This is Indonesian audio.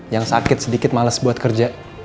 yang sakit sedikit males buat kerja